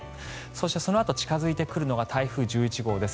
そしてそのあと近付いてくるのが台風１１号です。